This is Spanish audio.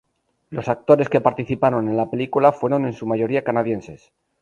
Los actores que participaron en la película fueron en su mayoría canadienses.